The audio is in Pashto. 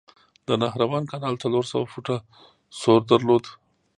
د نهروان کانال څلور سوه فوټه سور درلود.